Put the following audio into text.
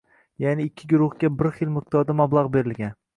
Ya’ni ikki guruhga bir xil miqdorda mablag’ berilgan.